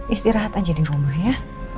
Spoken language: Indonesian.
istirahat aja di rumah ya